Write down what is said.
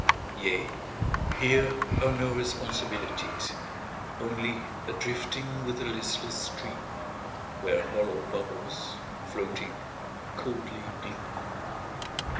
Yea, here are no responsibilities. Only a drifting with the listless stream Where hollow bubbles, floating, coldly gleam.